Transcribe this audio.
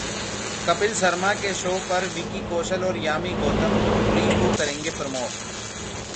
कपिल शर्मा के शो पर विकी कौशल और यामी गौतम, उरी को करेंगे प्रमोट